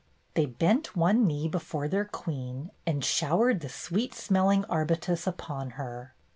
" They bent one knee before their queen and showered the sweet smelling arbutus upon her.